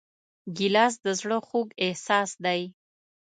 ګیلاس د زړه خوږ احساس دی.